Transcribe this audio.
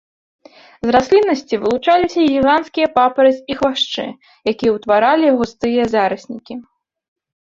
З расліннасці вылучаліся гіганцкія папараць і хвашчы, якія ўтваралі густыя зараснікі.